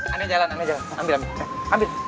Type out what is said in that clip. aneh jalan aneh jalan ambil ambil ambil